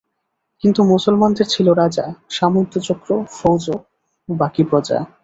কিন্তু মুসলমানদের ছিল রাজা, সামন্তচক্র, ফৌজ ও বাকী প্রজা।